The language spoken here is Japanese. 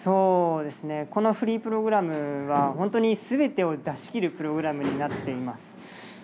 このフリープログラムは本当に全てを出しきるプログラムになっています。